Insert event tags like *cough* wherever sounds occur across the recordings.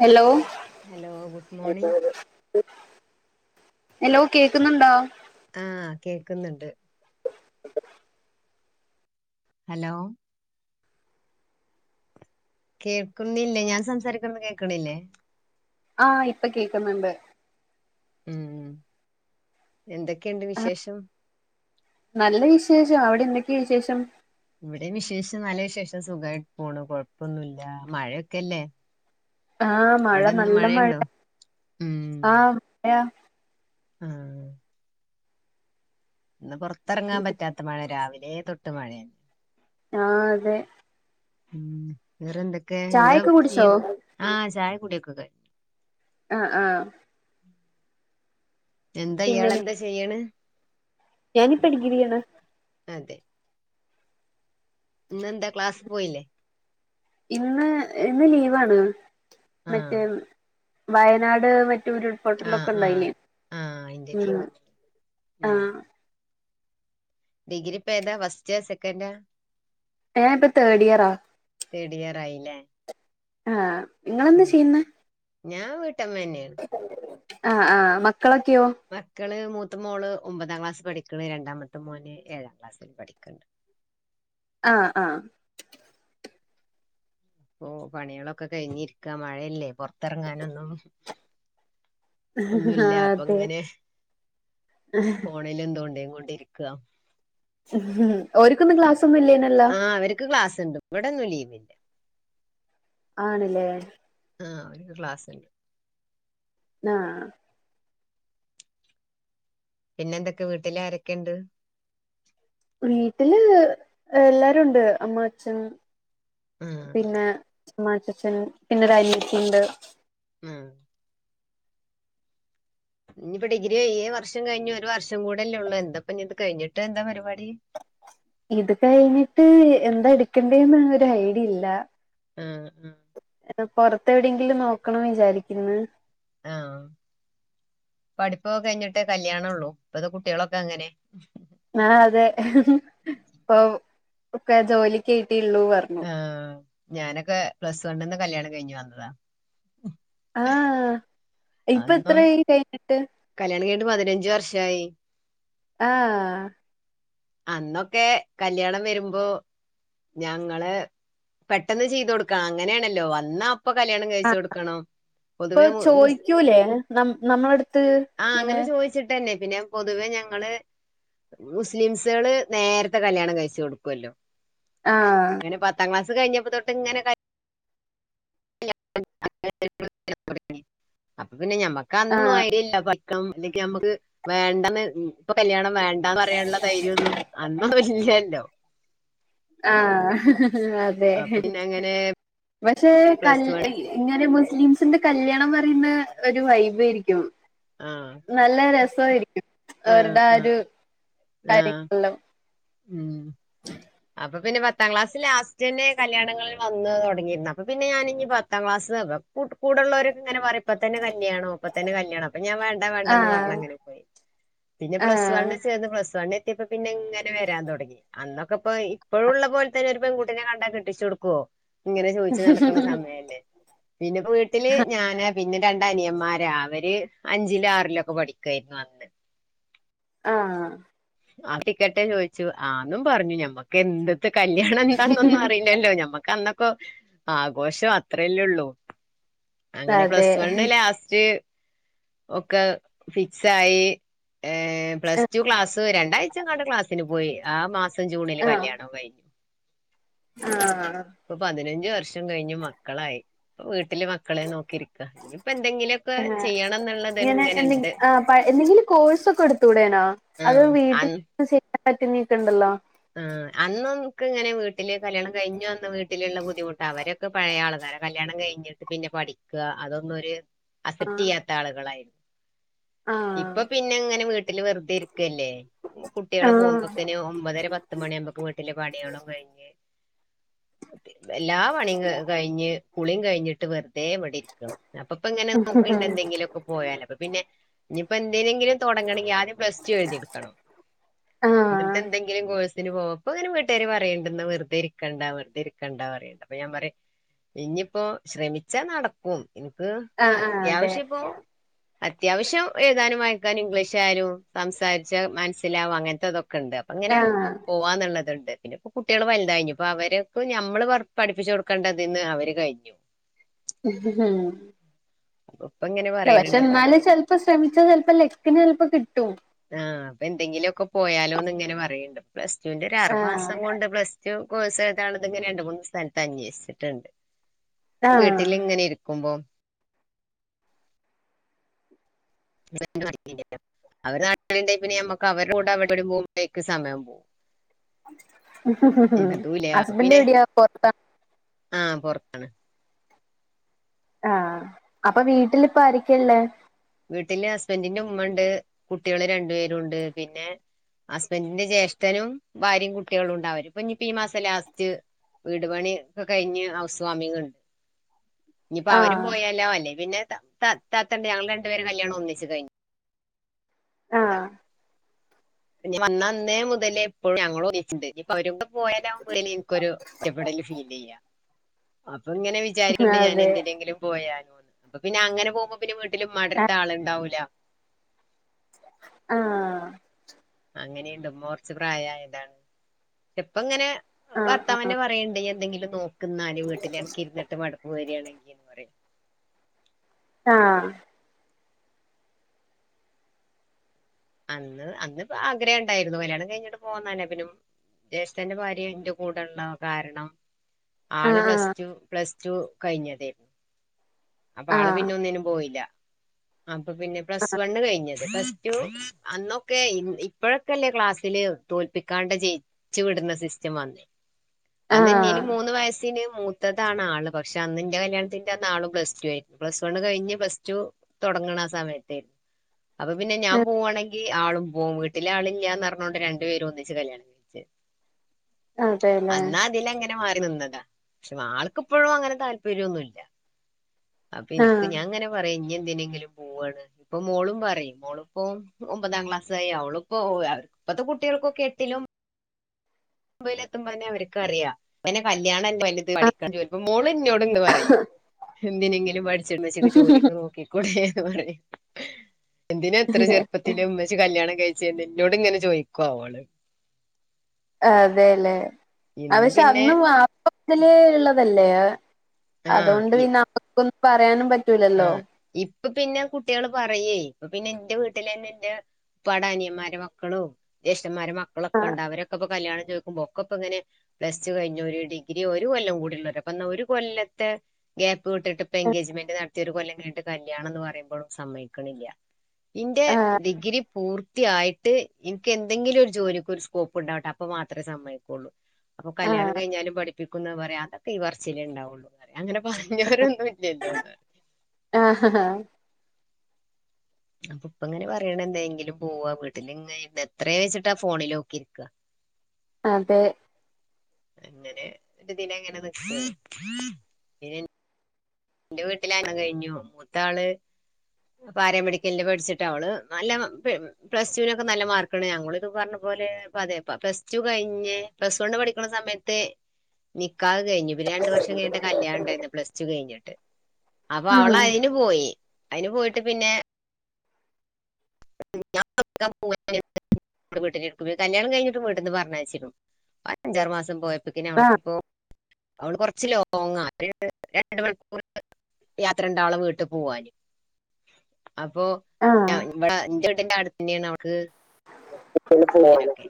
Hello hello good morning hello കേക്കുന്നുണ്ടോ ആഹ കേൾക്കുന്നുണ്ട് ഹലോ കേക്കുന്നില്ലേ ഞാൻ സംസാരിക്കന്ന് കേൾക്കണില്ലേ ആഹ ഇപ്പൊ കേക്കുന്നുണ്ട് ഉം എന്തൊക്കെയുണ്ട് വിശേഷം നല്ല വിശേഷം അവിടെ എന്തൊക്കെയ വിശേഷം ഇവിടെ വിശേഷ നല്ല വിശേഷം സുഖമായിട്ട് പോണ് കൊഴപ്പൊന്നുമല്ല മഴയൊക്കെല്ലേ ആഹ് മഴ നല്ല മഴ ആഹ് മഴ ആഹ് ഇന്ന് പുറത്തിറങ്ങാൻ പറ്റാത്ത മഴ രാവിലെ തൊട്ട് മഴയ ആ അതെ ഉം വേറെന്തൊക്കെ ചായ ഒക്കെ കുടിച്ചോ ആഹ് ചായ കൂടിയൊക്കെ കഴിഞ്ഞു ആഹ ആഹ എന്താ ഇയാള് എന്താ ചെയ്യണ് ഞാൻ ഇപ്പൊ ഡിഗ്രി ആണ് അതെ ഇന്ന് എന്താ ക്ലാസ് പോയില്ലേ ഇന്ന് ഇന്ന് ലീവാണ് ആ മറ്റേ വയനാട് മറ്റൂരു ഉരുൾ ആ പൊട്ടൽ ഒക്കെ ആ ഉണ്ടായില്ലേ ആ അതിന്റെ ഉം ലീവാ ഉം ആഹ ഡിഗ്രി പ്പോ ഏതാ ഫസ്റ്റ് സെക്കൻഡാ ഞാൻപ്പൊ തേർഡ് ഇയറാ തേർഡ് ഇയർ ആയി ലെ ആ നിങ്ങളെന്ത് ചെയ്യുന്ന ഞാൻ വീട്ടമ്മ തന്നെയാണ് ആഹ ആഹ മക്കളൊക്കെയോ മക്കള് മൂത്ത മോള് ഒമ്പതാം ക്ലാസ് പഠിക്കണ് രണ്ടാമത്തെ മോന് ഏഴാം ക്ലാസ്ൽ പഠിക്കണ്ട് ആഹ ആഹ ഓ പണികളൊക്കെ കഴിഞ്ഞിരിക്കാ മഴയല്ലേ പുറത്തിറങ്ങാനൊന്നും ഒന്നുമല്ല അപ്പൊ അതെ ഇങ്ങനെ ഫോണിൽ ഇങ്ങനെ തോണ്ടി കൊണ്ടിരിക്കുക ഉം ഒരിക്കൊന്നും ക്ലാസ് ഒന്നും ഇല്ലെ നിയോ ആഹ അവർക്ക് ക്ലാസ്ണ്ട് ഇവിടെന്നും ലീവില്ല ആണ്ല്ലേ ആ ഓല്ക്ക് ക്ലാസ് ഉണ്ട് ആ പിന്നെ എന്തൊക്കെ വീട്ടിൽ ആരൊക്കെയെ ഉണ്ട് വീട്ടില് എല്ലാരും ഉണ്ട് അമ്മ അച്ഛൻ ആ പിന്നെ മാച്ചച്ചൻ പിന്നെ ഒരു അനിയത്തി ണ്ട് ഉം ഇനിയിപ്പൊ ഡിഗ്രി വർഷം കഴിഞ്ഞഞ് ഒരു വർഷം കൂടെയല്ലേ ഉള്ള എന്തപ്പൊ ഇത് കഴിഞ്ഞിട്ട് എന്താ പരിപാടി ഇത് കഴിഞ്ഞിട്ട് എന്താ എടുക്കണ്ടേന്ന് ഒരു ഐഡിയയില്ല ആ ഉം പൊറത്തെ എവിടെയെങ്കിലും നോക്കണം വിചാരിക്കുന്ന ആഹ പഠിപ്പൊക്കെ കഴിഞ്ഞിട്ടേ കല്യാണള്ളൂ ഇപ്പത് കുട്ടികളൊക്കെ അങ്ങനെ ആ അതെ ഇപ്പൊ ഒക്കെ ജോലിക്ക്യിട്ടിള്ളൂ പറഞ്ഞു ആ് ഞാനൊക്കെ പ്ലസ് വണ് നിന്ന് കല്യാണം കഴിഞ്ഞ് വന്നതാ ആഹ ഇപ്പ എത്ര അന്നും കഴിഞ്ഞിട്ട് കല്യാണം കഴി ഞ്ഞിട്ട് പതിനഞ്ചു വർഷമായി ആഹ അന്നൊക്കെ കല്യാണം വരുമ്പോ ഞങ്ങള് പെട്ടെന്ന് ചെയ്ത കൊടുക്കണം അങ്ങനെയാണല്ലോ വന്നാ ഇപ്പൊ കല്യാണം കഴിച്ച് കൊടുക്കണം ഇപ്പൊ പൊതുവെ മു മുസ് ചോദിക്കൂലേ ന നമ്മളടുത്ത് ഇങ്ങനെ ന്നെ പിന്നെ പൊതുവെ ഞങ്ങള്മുസ് മുസ്ലിംസുകള് നേരത്തെ കല്യാണം കഴിച്ച കൊടുക്കുമല്ലോ ആഹ് അങ്ങനെ പത്താം ക്ലാസ് കഴഞ്ഞപ്പോ തട്ട് ഇങ്ങന *unintelligible* *unintelligible* ദ ആഹ് യ്ര്യൊന്നും അന്നൊന്ന ഇല്ലല്ലോ ആഹ അതെ അപ്പൊ പിന്നെ അങ്ങനെ പക്ഷെ പ്ലസ് കല് വൺ ഇങ്ങനെ മുസ്ലിംസിന്റെ കല്യാണം പറയുന്ന ഒരു വൈബ് ആയിരിക്കും ആഹ് നല്ല രസമായിരിക്കും ആഹ് അവരുടെ ആ ആഹ് ഒരു ആഹ് കാര്യങ്ങളെല്ലാം ഉം *inaudible* അപ്പൊ പിന്നെ പത്താം ക്ലാസ് ലാസ്റ്റ് തന്നെ കല്യാണങ്ങിൽ വന്ന് തുടങ്ങിയിരുന്നു അപ്പൊ പിന്നെ ഞാനി പത്താം ക്ലാസ്ം ഉടുപ്പൊടുള്ളോരൊക്കെ ഇങ്ങനെ പറയും ഇപ്പൊ തന്നെ കല്യാണം ഇപ്പൊ തന്നെ കല്യാണം അപ്പൊ ഞാൻ വേണ്ട വേണ്ട ആ എന്ന് പറഞ്ഞ് അങ്ങനെ പോയി പിന്നെ ആ പ്ലസ് വണ് ചേർന്ന് പ്ലസ് വണ് എത്തിയപ്പം പിന്നെ ഇങ്ങനെ വരാൻ തുടങ്ങി അന്നൊക്കെ ഇപ്പോയി ഇപ്പോളുള്ള പോലെ തന്നെ ഒരു പെൺകുട്ടിനെ കണ്ടാ കെട്ടിച്ച് കൊടുക്കോ ഇങ്ങനെ ചോദിച്ചു നടക്കുണ സമയല്ലേ പിന്നെ വീട്ടില് ഞാനാ പിന്നെ രണ്ട് അനിയന്മാരാ അവര് അഞ്ചിലോ ആറിലോ ഒക്കെ പഠിക്കായിരുന്നു അന്ന് ആഹ് ആ കെട്ടിക്കട്ടെ ചോദിച്ചു ആ ന്നും പറഞ്ഞു ഞമ്മക്ക് എന്ത്താ കല്യാണം എന്താന്നൊന്നും അറി ല്ലല്ലോ നമ്മക്ക് അന്നൊക്കെ ആഘോഷം അത്രല്ലേള്ളൂ അങ്ങനെ അതെ പ്ലസ് വണ് ലാസ്റ്റ് ഒക്കെ ഫിക്സ് ആയി ഏഹ് പ്ലസ് ടു ക്ലാസ് രണ്ടാഴ്ച കാണ്ട് ക്ലാസ്സിന് പോയി ആ മാസം *unintelligible* ജൂണില് കല്യാണം കഴിഞ്ഞ് ആഹ് ഇപ്പൊ പതിനഞ്ച് വർഷം കഴിഞ്ഞ് മക്കളായി ഇപ്പം വീട്ടില് മക്കളെ നോക്കിയിരിക്ക ഇനിയിപ്പോ എന്തെങ്കിലും ക്കെ ആ, ചെയ്യണം എന്നുള്ളത് ഇങ്ങനെ ഇങ്ങനെണ്ട് എന്തെങ്കിലും ആ എന്തെങ്കിലും കോഴ്സ് ഒക്കെ എടുത്തുകൂടെനോ അത് ആഹ് വീട്ടിൽ അന്ന് ചെയ്യാൻ പറ്റുന്നക്കെ ഉണ്ടല്ലോ ആഹ് *inaudible* അന്ന് നമുക്ക് ഇങ്ങനെ വീട്ടിൽ കല്യാണം കഴിഞ്ഞ് വന്ന് വീട്ടിലുള്ള ബുദ്ധിമുട്ട അവരൊക്കെ പഴയ ആൾക്കാരാ കല്യാണം കഴിഞ്ഞ് ട്ട് പിന്നെ പഠിക്ക അതൊന്നും ഓര് ആ അസപ്റ്റ് ചെയ്യാത്ത ആളുകളായിരുന്നു ആ ഇപ്പൊ പിന്നെ ഇങ്ങനെ വീട്ടില് വെറുതെ ഇരിക്കല്ലേ ആ കുട്ടികള് പോകുമ്പോക്ക്ന് ഒമ്പതര പത്ത് പത്ത് മണി ആകുമ്പക്കും വീട്ടില് പണികളും കഴിഞ്ഞ് എല്ലാ പണിയും കഴിഞ്ഞ് കുളിയും കഴിഞ്ഞിട്ട് വെറുതെ ഇവിടെ ഇരിക്ക അപ്പൊ ഇങ്ങനെ നോക്ക്ണ്ട് എന്തെങ്കിലും ഒക്കെ പോയാലോ അപ്പൊ പിന്നെ ഇനിയിപ്പോ എന്തേലെങ്കിലും തുടങ്ങണെങ്കിൽ ആദ്യും പ്ലസ് ടു എഴുതി എടുക്കണം ആ ഇന്നട്ട് എന്തെങ്കിലും കോഴ് *unintelligible* ഇങ്ങനെ വീട്ടുകാര് പറയ്ണ്ട് ഇന്നാ വെറുതെ ഇരിക്കണ്ട വെറുതെ ഇരിക്കണ്ടാ പറയ്ണ്ട് അപ്പ ഞാൻ പറയും. ഇഞ്ഞിയിപ്പോ ശ്രമിച്ചാ നടക്കും ഇൻക്ക് ആ ആ അതെ അത്യാവിശ്യം ഇപ്പോ അത്യാവശ്യം എഴുതാനും വായിക്കാനും ഇംഗ്ലീഷ് ആയാലും സംസാരിച്ചാ മനസ്സിലാവും അങ്ങന് ത്തെ ഇതൊക്കെ ഉണ്ട്. ആ അങ്ങനെ പോവാന്ന്ള്ളത്ണ്ട് പിന്നെ ഇപ്പ കുട്ടികൾ വലുതായി ഇനിയിപ്പോ അവര്ക്ക് നമ്മള് പഠിപ്പിച്ചു കൊടുക്കേണ്ടതിന്ന് അവര് കഴിഞ്ഞു. ഉപ്പ ഇങ്ങനെ പറയ്ണണ്ട് എന്നാട്ടെ ഇപ്പോ ശ്രമിച്ച ചെലപ്പോ ലെക്കിന് ചെലപ്പോ കിട്ടും ആഹ് അപ്പൊ എന്തെങ്കിലുക്കെ പോയാലോന്ന് ഇങ്ങനെ പറയ്ണ്ട് പ്ലസ് ടുവിന്റെ ഒരു ആറുമാസം ആഹ് കൊണ്ട് പ്ലസ് ടു കോഴ്സ് *unintelligible* ഇങ്ങനെ രണ്ട് മൂന്ന് സ്ഥലത്ത് അന്വേഷിച്ചിട്ടുണ്ട് ആഹ് വീട്ടിൽ ഇങ്ങനെ ഇരി കുമ്പോ *unintelligible* അവര് നാട്ടിലാണ്ടെങ്കി പിന്നെ നമ്മക്ക് അവരുടെ കൂടെ അവിടെ വരെ പോകുമ്പോഴേക്ക് സമയം പോവും. ഇതും ഇല്ല അപ്പൊ ഹസ്ബൻഡ് പിന്നെ എവിടെയ പുറത്താ? ആഹ് പൊറത്താണ് ആഹ അപ്പൊ വീട്ടിലിപ്പം ആരൊക്കെള്ളേ? വീട്ടില് ഹസ്ബൻഡിന്റെ ഉമ്മണ്ട് കുട്ടികള് രണ്ടു പേരുണ്ട് പിന്നെ ഹസ്ബൻഡിന്റെ ജ്യേഷ്ഠനും ഭാര്യയും കുട്ടികളും ഉണ്ടാവും അവര് ഇപ്പൊ ഇനിപ്പോ ഈ മാസം ലാസ്റ്റ് വീട് പണി ഒക്കെ കഴിഞ്ഞ് ഹൗസ് വാമിംഗ്ണ്ട് ഇനിയിപ്പോ അവരും ആഹ് പോയാലോ അല്ലേ പിന്നെ ത താത്തണ്ട് ഞങ്ങൾ രണ്ടുപേര് കല്യാണം ഒന്നിച്ച് കഴിഞ്ഞ് ആഹ് ഇനി വന്ന അന്നേ മുതലേ എപ്പോഴും ഞങ്ങളൊന്നിച്ച്ണ്ട് ഇപ്പ അവരും പോയാലോ, പോയാല് എനിക്കൊരു ഒറ്റപ്പെടല് ഫീൽ ചെയ്യാ അപ്പൊ ഇങ്ങനെ വി വിചാരിക്കുണ്ട് ഞാൻ അതെ എന്തിനെങ്കിലും പോയാലോന്ന് അപ്പൊ പിന്നെ അങ്ങനെ പോകുമ്പോ പിന്നെ വീട്ടിൽ ഇമ്മാൻ്റെ അടുത്ത് ആഹ് ആളുണ്ടാവൂല്ല ആഹ് അങ്ങനെയുണ്ട് ഉമ്മ കുറച്ച് പ്രായായതാണ് പക്ഷെപ്പ ഇങ്ങനെ ആഹ് ഭർത്താവന്നെ പറയ്ണ്ട് ഇയ് എന്തെങ്കിലും നോക്ക്ന്നാല് വീട്ടിലെ അനക്ക് ഇരുന്നിട്ട് മടപ്പ് വരാണെങ്കിൽ ആഹ് അന്ന് അന്നിപ്പ ആഗ്രഹം ഉണ്ടായിരുന്നു കല്യാണം കഴിഞ്ഞിട്ട് പോന്ന പിനും ജേഷ്ഠന്റെ ഭാര്യ ഇൻ്റെ കൂടെള്ള കാരണം ആള് പ്ലസ് ആഹ് ടു പ്ലസ് ടു കയ്ഞ്ഞതേന്ന്. അപ്പൊ ആഹ് ആള് ആഹ് പിന്നെ ഒന്നിനും പോയില്ല അപ്പൊ പിന്നെ പ്ലസ് വണ്ണ് കയ്ഞ്ഞ്. പ്ലസ് ടു അന്നൊക്കെ ഇപ്പഴൊക്കെല്ലേ ക്ലാസ്സില് തോല്പ്പിക്കാണ്ട് ജയി ച്ചു വിടുന്ന സിസ്റ്റം വന്നേ അന്ന് ആഹ് എന്നിലും മൂന്ന് വയസ്സിന് മൂ ത്തതാണ് ആള് പക്ഷെ അന്ന് ഇന്റെ കല്യാണ്ത്തിന്റെ അന്നാളും പ്ലസ് ടു ആയിരുന്നു. പ്ലസ് വൺ കൈഞ്ഞ് പ്ലസ് ടു. തൊടങ്ങ്ണ ആ സമയത്തേര്ന്നു അപ്പൊ പിന്നെ ഞാൻ പോവാണെങ്കിൽ. ഈ ആളും പോവും വീട്ടിലാളില്ലാന്ന് പറഞ്ഞോണ്ട് രണ്ട് പേരും ഒന്നിച്ച് കല്യാണം കൈച്ച്. അതെല്ലേ അന്നാ അതിലങ്ങനെ. മാറി നിന്നതാ പക്ഷെ ആൾക്കിപ്പഴും അങ്ങനെ താല്പര്യൊന്നുല്ല. അപ്പൊ ആഹ് ഇന്ക്ക് ഞാൻ ഇങ്ങനെ പറയും ഇഞ്ഞ് എന്തിനെങ്കിലും പോവാണ്. ഇപ്പ മോളും പറിം മോൾ പ്പൊ ഒമ്പതാം ക്ലാസ് ആയി അവളിപ്പോ ഓവ് ഇപ്പത്തെ കുട്ടിയാൾക്കൊക്കെ എട്ടിലും. ഒമ്പഹ്ൽ എത്ത്പോന്നെ അവര്ക്ക് അറിയാ പിന്നെ കല്യാണല്ലേ വല് പഠിക്കാൻ മോള് എന്നോട്ണ്ട് പറിം എന്തിനെങ്കിലും പഠിച്ച് മ്മച്ചിക്ക് ജോലിക്ക് നോക്കി. ക്കൂടേന്ന് പറിം എന്തിനാ ഇത്ര ചെറുപ്പത്തിൽ ഉമ്മച് ച്ചി കല്യാണം കഴിച്ച് ന്നോട് ഇങ്ങനെ ചോദിക്കോ അവള്. അതെല്ലേ അ ഇന്ന് പക്ഷെ പിന്നെ അന്നും അപ്പമുതലേള്ളതല്ലേ? ആഹ് അതോണ്ട് ഇ പിന്നെ ആർക്കൊന്നും പറയാനും പറ്റൂലല്ലോ. ഇപ്പ പിന്നെ കുട്ടിയള് പറയേ ഇപ്പ പിന്നെ ഇന്റെ വീട്ടിലെന്നെ ഇന്റെ പ്പാടെ അനിയന്മാരെ മക്കളും ജേഷ്ഠന്മാരെ മക്കളൊക്കെ ആഹ് ഉണ്ട് അവരൊക്കെ ഇപ്പ കല്യാണം ചോയിക്കുമ്പോ ഒക്കെപ്പങ്ങനെ. പ്ലസ് ടു കയ്ഞ്ഞോര് ഡിഗ്രി ഒരു കൊല്ലം കൂടിള്ളോരാ അപ്പന്നാ ഒരു കൊല്ലത്തെ ഗ്യാപ്പ് വിട്ടിട്ടിപ്പൊ എൻഗേജ്മെന്റ് നടത്തിയ ഒരു കൊല്ലം കൈഞ്ഞ്ട്ട് കല്യാണംന്ന് പറിമ്പോഴും സമ്മയ്ക്ക്ണില്ല ഇന്റെ ഡിഗ്രി പൂർത്തിയായി ഇന്ക്ക് എന്തെങ്കിലും ഒരു ജോലിക്ക് ഒരു സ്കോപ്പ് ഉണ്ടാവട്ടെ അപ്പ മാത്രമേ സമ്മയ്ക്കുള്ളൂ അപ്പൊ കല്യാണം ആഹ് കൈഞ്ഞാലും പഠിപ്പിക്കുന്നാ പറയാ അതൊക്കെ ഈ പർച്ചിലേ ഇണ്ടാവുള്ളു പറിം അങ്ങനെ പറഞ്ഞവരൊന്നും ഇല്ലല്ലോന്ന് ആഹ് ഹഹാ അപ്പൊ ഇപ്പങ്ങനെ പറയണ എന്തെങ്കിലും പോവാ വീട്ടിൽ ഇങ്ങനെ ഇര്ന്ന് എത്രേച്ചിട്ടാ ഫോണിലോക്കി ഇരിക്കാ അതെ അങ്ങനെ ഒരു ഇതിനങ്ങനെ നിക്കാ പിന്നെ ന്റെ വീട്ടിലാണെ കഴിഞ്ഞു മൂത്താള് പാരാമെഡിക്കലിന് പഠിച്ചിട്ട് അവള് നല്ല പെ പ്ലസ് ടുനൊക്കെ നല്ല മാർക്കാണ് ഞങ്ങളിത് പറഞ്ഞ പോലെ അതെപ്പൊ പ്ലസ് ടു കഴിഞ്ഞ് പ്ലസ് വണ് പഠിക്കുന്ന സമയത്ത് നിക്കാഹ് കഴിഞ്ഞു പിന്നെ രണ്ട് വർഷം കഴിഞ്ഞിട്ട കല്യാണം ഇണ്ടായിരുന്നെ പ്ലസ് ടു കഴിഞ്ഞിട്ട് അപ്പൊ അവള ആഹ് അയ്ന് പോയി അയ്ന് പോയിട്ട് പിന്നെ *inaudible* വീട്ട്ലിരിക്കുംപിന്നെ കല്യാണം കൈഞ്ഞ്ട്ടും വീട്ട്ന്ന് പർഞ്ഞേച്ച്രുന്നു അ അഞ്ചാറ് മാസം പോയ പ്പോക്കിന് ആഹ് അവൾക്കിപ്പോ അവള് കൊറച്ച് ലോങ്ങാ. *unintelligible* കൊർ യാത്ര ഇണ്ട് അവളെ വീട്ട് പോവാന് അപ്പൊ ആഹ് ഞ ഇവടെ ഇന്റെ വീട്ട്ന്റെ അടുത്തന്നേണ് അവക്ക് ഹോസ്പിറ്റലൊക്കെ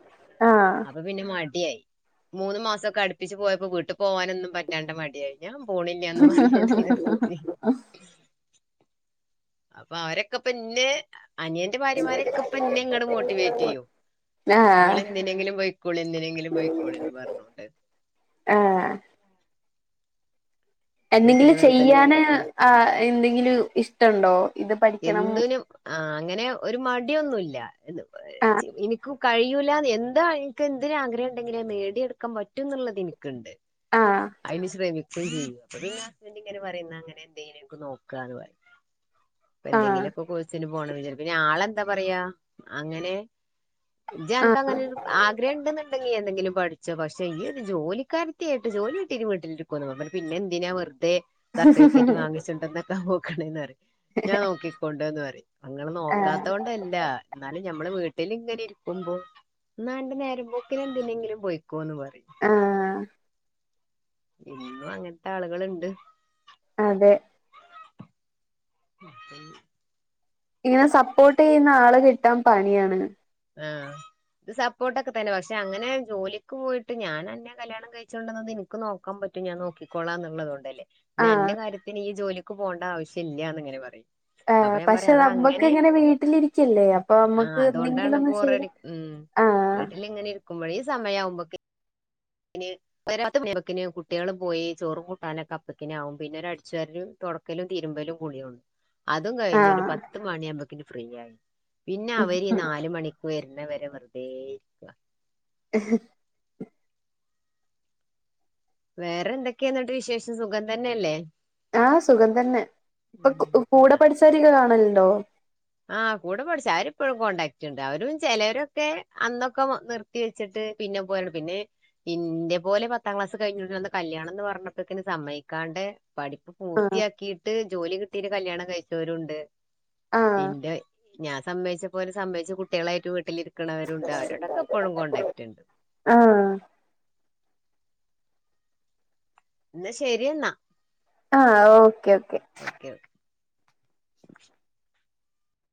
ആഹ് അപ്പൊ പ്പൊ പിന്നെ മടിയായി മൂന്ന് മാസൊക്കെ അടുപ്പിച്ച് പോയപ്പോ വീട്ട് പോവാനൊന്നും പറ്റാണ്ട മടിയായി ഞാൻ പോണില്ലാന്നും പറഞ്ഞോണ്ട് നിർത്തി. അഹ് അപ്പൊ അവരൊക്ക ഇപ്പൊ ഇന്നെ അനിയന്റെ ഭാര്യമാരൊക്കെപ്പന്നെ ഇങ്ങട് മോട്ടിവേറ്റെയ്യും ആഹ് ഇങ്ങളെന്തിനെങ്കിലും പൊയ്ക്കോളി എന്തിനെങ്കിലും പൊയ്ക്കോളിന്ന് പറഞ്ഞോണ്ട് ആഹ് വീട്ടില് എന്തെങ്കിലും വെറുതെ ഇങ്ങനെ ചെയ്യാന് ഇരിക്കും ആ എന്തെങ്കിലും ഇഷ്ട്ടുണ്ടോ? എന്തിനും ആഹ് അങ്ങനെ ഒരു മടിയൊന്നുല്ല എന്ത് ആഹ് ഏ എനിക്ക് കഴിയൂല എന്താ എനിക്ക് എന്തിന് ആഗ്രഹം ഉണ്ടെങ്കിലും നേടിയെടുക്കാൻ പറ്റും എന്നുള്ളത് എനിക്കണ്ട് ആഹ് അതിന് ശ്രമിക്കുകയും ചെയ്യും അപ്പൊ പിന്നെ ഹസ്ബൻഡ് ഇങ്ങനെ പറയുന്ന അങ്ങനെ എന്തേലും നമുക്ക് നോക്കാന്ന് പറിം ഇപ്പൊ ആഹ് എന്തെങ്കിലു ഒക്കെ കോഴ്സിന് പോണം വിചാരിക്കും ആളെന്താ പറയാ അങ്ങനെ ജി അൻക്ക അങ്ങനെ ആഗ്രഹം ഉണ്ടുന്ന്ണ്ടെങ്കീ എന്തെങ്കിലും പഠിച്ചു ച്ചോ പക്ഷെ ഈ ഒരു ജോലിക്കാര്ത്തി ആയിട്ട് ജോലി കിട്ടി ജി വീട്ടിലിരിക്കുന്ന് പറഞ്ഞു പിന്നെ എന്തിനാ വെറുതെ സർട്ടിഫിക്കറ്റ് ആഹ് വാങ്ങിച്ചിുണ്ടന്നൊക്കെ നോക്കണന്ന് പറ ഞാൻ നോക്കിക്കൊണ്ടുന്ന് പറ അങ്ങൾ ആഹ് നോക്കാത്തോണ്ടല്ല എന്നാലും ഞമ്മള് വീട്ട വട്ടിങ്ങനെ ഇരിക്കുമ്പോാ നേരമ്പോക്കിനെ എന്തിനെങ്കിലും പോയ്ക്കോന്ന് പറിം ആഹ് ഇന്നും അങ്ങൻത്തെ ആളുകളുണ്ട് അതെ ആ അ ഇങ്ങനെ സപ്പോർട്ട് ചെയ്യുന്ന ആളെ കിട്ടാൻ പണിയാണ് ആഹ് ഇത് സപ്പോർട്ട് ഒക്കെ തന്നെ പക്ഷെ അങ്ങനെ ജോലിക്ക് പോയിട്ട് ഞാൻ അന്നെ കല്യാണം കഴിച്ചുകൊണ്ടന്നത് എനി ഇൻക്ക് നോക്കാൻ പറ്റും ഞാൻ നോക്കിക്കോളാന്നുള്ളത് കൊണ്ടല്ലേ പിന്ന ആഹ് എന്റെ കാര്യത്തിന് ഈ ജോലിക്ക് പോകേണ്ട ആവശ്യം ഇല്ല്യന്ന് ഇങ്ങനെ പറയും ആ അപ്പൊ ഞാൻ പക്ഷെ പറയാ അത നമ്മക്ക് അങ്ങനെ ഇങ്ങനെ വീട്ടിലിരിക്കല്ലേ അപ്പൊ ആഹ് നമ്മക്ക് എന്തെങ്കിലും അതുകൊണ്ടാണ് ഒന്ന് ചെയ്ത് ബോറടി ഉം ആഹ് വീട്ടിൽ ഇങ്ങനെ ഇരിക്കുമ്പോഴെ ഈ സമയാവുമ്പൊക്കെ പിന്നെ പെരേത്തെ പണി ഒക്കെ കുട്ടികളും പോയി ചോറും കൂട്ടാനൊക്കെ അപ്പക്കിന ആകും പിന്നെ ഒരു അടിച്ചാരു തുട മക്കലും തിരുമ്പലും കുളിയു അതും കഴിഞ്ഞ ഒരു ആഹ് പത്ത് മണിാവുമ്പക്കിന് ഫ്രീ ആയി പിന്നെ അവര് നാല മണി വരുന്ന വരെ വെറുതെ ഇരിക്കുക *inaudible* വേറെ എന്തൊക്കെയാ എന്നിട്ട് വിശേഷം സുഖം തന്നെയല്ലേ ആഹ സുഖം തന്നെ ഇപ്പൊ കൂടെ പഠിച്ചാരിക്കരിക്ക കാണലുണ്ടോ ആഹ കൂടെ പഠിച്ച അവരിപ്പോഴും കോണ്ടാക്റ്റ് ഉണ്ട് അവരും ചിലവരൊക്കെ അന്നൊക്കെ നിർ കുട്ടി വെച്ചിട്ട് പിന്നെ പോയാണ് പിന്നെ പിന്നന്റെ പോലെ പത്താം ക്ലാസ് കഴിഞ്ഞിട്ടന്ന് കല്യാണം എന്ന് പറഞ്ഞപ്പോക്കെ സമക്കാണ്ട് പഠിപ്പ് ആഹ് പൂർത്തിയാക്കിയിട്ട് ജോലി കിട്ടീട്ട് കല്യാണം കഴിച്ചവരുണ്ട് ആഹ് എന്റെ ഞാൻ സംമ്മവച്ച പോലെ സംമ്മച്ച കുട്ടികളായിട്ട് വീട്ടിൽ ഇക്കണവരുണ്ട് അവരോട ഇ എപ്പോഴും കോൺടാക്ട് ഉണ്ട് ആഹ് എന്നാ ശരിയെന്നാ ആഹ ഓക്കേ ഓക്കെ ഓക്കെ